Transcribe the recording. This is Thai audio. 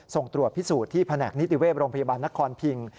ส่งตรวจพิสูจน์ที่แผนกนิติเวศโรงพยาบาลนครพิง